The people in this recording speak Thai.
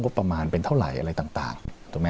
งบประมาณเป็นเท่าไหร่อะไรต่าง